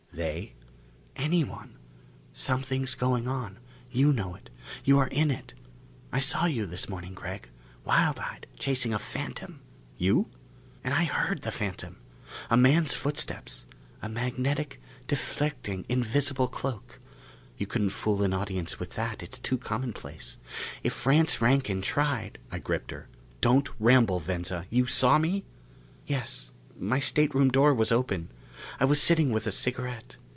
"They?" "Anyone. Something's going on. You know it. You are in it. I saw you this morning, Gregg. Wild eyed, chasing a phantom " "You?" "And I heard the phantom! A man's footsteps. A magnetic, deflecting, invisible cloak. You couldn't fool an audience with that, it's too commonplace. If Rance Rankin tried " I gripped her. "Don't ramble, Venza! You saw me?" "Yes. My stateroom door was open. I was sitting with a cigarette.